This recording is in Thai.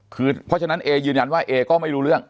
คือเพราะฉะนั้นเอยืนยันว่าเอก็ไม่รู้เรื่อง